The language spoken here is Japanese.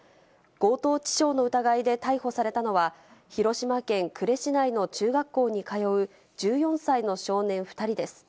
強盗致傷の疑いで逮捕されたのは、広島県呉市内の中学校に通う１４歳の少年２人です。